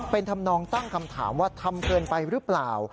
เป็นธรรมนองตั้งคำถามว่าทำเกินไปหรือเปล่า